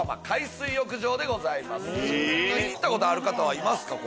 行ったことある方はいますか？